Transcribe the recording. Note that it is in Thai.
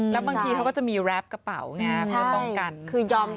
แล้วบางทีเขาก็จะมีแรปกระเป๋าไงเพื่อป้องกัน